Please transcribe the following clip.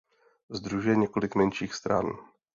Sdružuje několik menších stran.